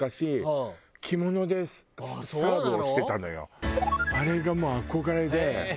もうねあれがもう憧れで。